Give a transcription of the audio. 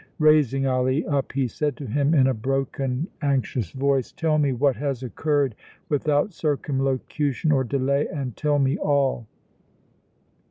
Raising Ali up, he said to him in a broken, anxious voice: "Tell me what has occurred without circumlocution or delay, and tell me all!"